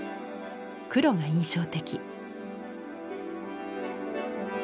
黒が印象的。